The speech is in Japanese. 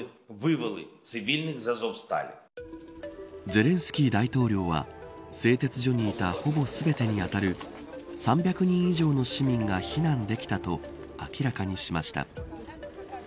ゼレンスキー大統領は製鉄所にいたほぼ全てにあたる３００人以上の市民が避難できたと明らかにしました。